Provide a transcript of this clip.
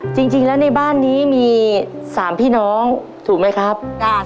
จริงแล้วในบ้านนี้มี๓พี่น้องถูกไหมครับ